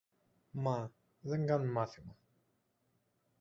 Μα, δεν κάνουν μάθημα.